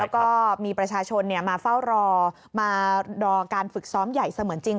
แล้วก็มีประชาชนมาเฝ้ารอมารอการฝึกซ้อมใหญ่เสมือนจริง